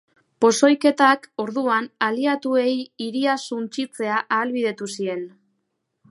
Pozoiketak, orduan, aliatuei hiria suntsitzea ahalbidetu zien.